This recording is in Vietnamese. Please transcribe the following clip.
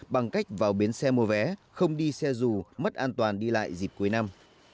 bằng cách vào bến xe mua vé không đi xe dù mất an toàn đi lại dịp cuối năm